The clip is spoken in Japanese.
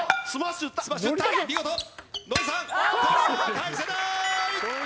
返せない！